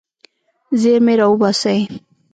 زیرمې راوباسئ.